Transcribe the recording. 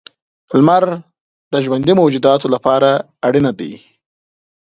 • لمر د ژوندي موجوداتو لپاره اړینه دی.